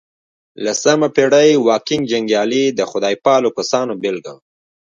لسمه پېړۍ واکینګ جنګيالي د خدای پالو کسانو بېلګه وه.